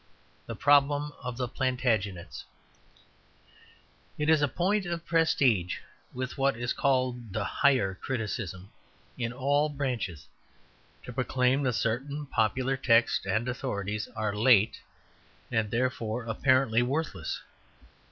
VII THE PROBLEM OF THE PLANTAGENETS It is a point of prestige with what is called the Higher Criticism in all branches to proclaim that certain popular texts and authorities are "late," and therefore apparently worthless.